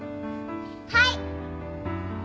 はい。